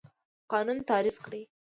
قانون تعریف کړئ.